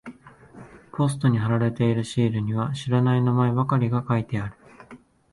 ポストに貼られているシールには知らない名前ばかりが書いてある。